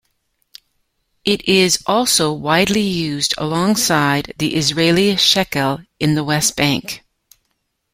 It is also widely used alongside the Israeli shekel in the West Bank.